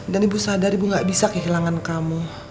dan ibu sadar ibu gak bisa kehilangan kamu